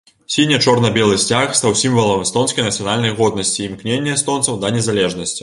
Сіне-чорна-белы сцяг стаў сімвалам эстонскай нацыянальнай годнасці і імкнення эстонцаў да незалежнасці.